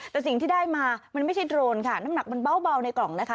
แต่สิ่งที่ได้มามันไม่ใช่โดรนค่ะน้ำหนักมันเบาในกล่องนะคะ